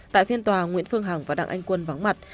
tại phiên tòa nguyễn phương hằng và đặng anh quân vắng mặt